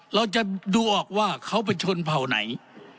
เราจะดูออกว่าเขาไปชนเผ่าไหน